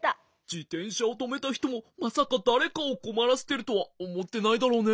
じてんしゃをとめたひともまさかだれかをこまらせてるとはおもってないだろうね。